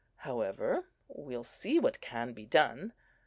However, we'll see what can be done."